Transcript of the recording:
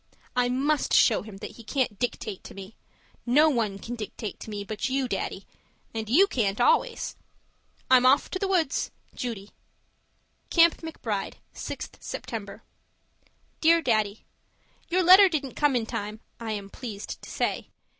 I MUST show him that he can't dictate to me. No one can dictate to me but you, Daddy and you can't always! I'm off for the woods. Judy CAMP MCBRIDE, 6th September Dear Daddy, Your letter didn't come in time (I am pleased to say).